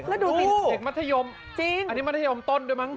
เด็กมัธยมอันนี้มัธยมต้นด้วยมั้ง